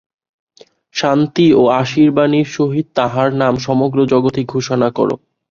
শান্তি ও আশীর্বাণীর সহিত তাঁহার নাম সমগ্র জগতে ঘোষণা কর।